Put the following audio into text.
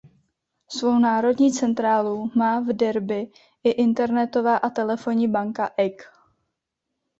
Svou národní centrálu má v Derby i internetová a telefonní banka Egg.